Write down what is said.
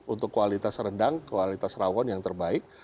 untuk kualitas rendang kualitas rawon yang terbaik